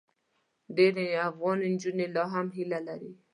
ډېری افغان نجونې لا هم هیله لري.